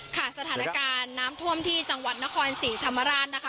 สถานการณ์น้ำท่วมที่จังหวัดนครศรีธรรมราชนะคะ